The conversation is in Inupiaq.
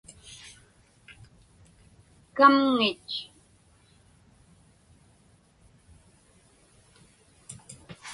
kamŋit